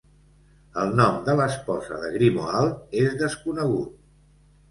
El nom de l'esposa de Grimoald és desconegut.